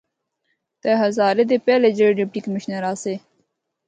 تے ہزارے دے پہلے جڑّے ڈپٹی کشمنر آسے۔